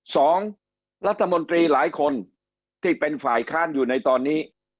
สองรัฐมนตรีหลายคนที่เป็นฝ่ายค้านอยู่ในตอนนี้